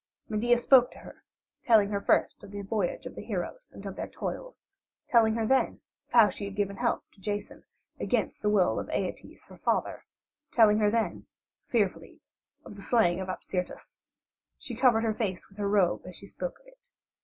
Medea spoke to her, telling her first of the voyage of the heroes and of their toils; telling her then of how she had given help to Jason against the will of Æetes her father; telling her then, fearfully, of the slaying of Apsyrtus. She covered her face with her robe as she spoke of it.